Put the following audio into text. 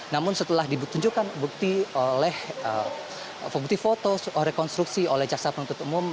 namun setelah ditunjukkan bukti oleh bukti foto rekonstruksi oleh jaksa penuntut umum